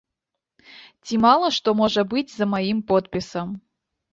Ці мала што можа быць за маім подпісам.